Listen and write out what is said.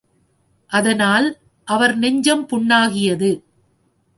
அதனால் அவர் நெஞ்சம் புண்ணாகியது.